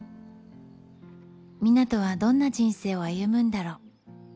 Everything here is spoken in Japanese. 湊人はどんな人生を歩むんだろう。